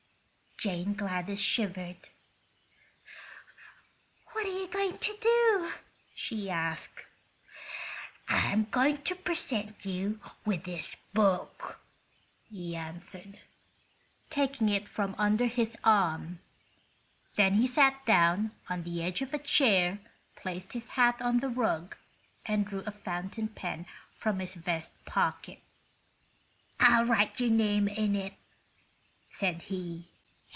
Jane Gladys shivered. "What are you going to do?" she asked. "I'm going to present you with this book," he answered, taking it from under his arm. Then he sat down on the edge of a chair, placed his hat on the rug and drew a fountain pen from his vest pocket. "I'll write your name in it," said he.